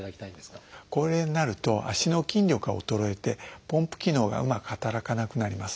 高齢になると足の筋力が衰えてポンプ機能がうまく働かなくなります。